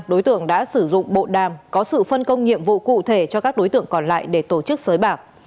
đối tượng đã sử dụng bộ đàm có sự phân công nhiệm vụ cụ thể cho các đối tượng còn lại để tổ chức sới bạc